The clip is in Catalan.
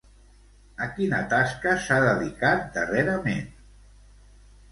A quina tasca s'ha dedicat darrerament?